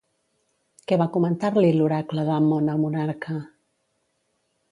Què va comentar-li l'oracle d'Ammon al monarca?